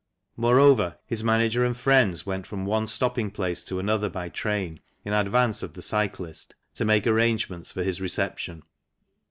Moreover, his manager and friends went from one stopping place to another by train, in advance of the cyclist, to make arrangements for his reception.